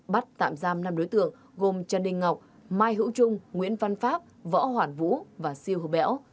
bắt tạm giam năm đối tượng gồm trần đình ngọc mai hữu trung nguyễn văn pháp võ hoàn vũ và siêu hồ bẻo